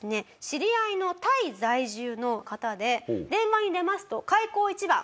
知り合いのタイ在住の方で電話に出ますと開口一番。